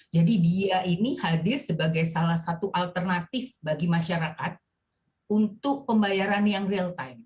jadi dia ini hadir sebagai salah satu alternatif bagi masyarakat untuk pembayaran yang real time